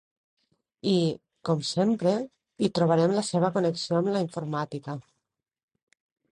I, com sempre, hi trobarem la seva connexió amb la informàtica.